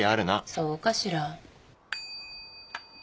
そうかしら。